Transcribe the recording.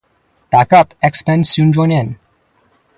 Backup X-Men soon join in.